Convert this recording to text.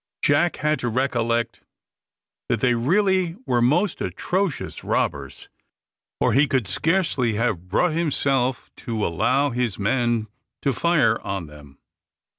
Jack had to recollect that they really were most atrocious robbers, or he could scarcely have brought himself to allow his men to fire on them.